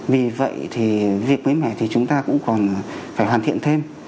vì vậy thì việc mới mẻ thì chúng ta cũng còn phải hoàn thiện thêm